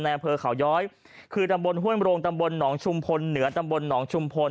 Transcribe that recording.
ในเผลอข่าวย้อยคือตำบลห้วยมรงค์ตำบลหนองชุมพลเนื้อตำบลหนองชุมพล